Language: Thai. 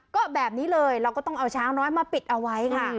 ก็แบบนี้เลยเราก็ต้องเอาช้างน้อยมาปิดเอาไว้ค่ะ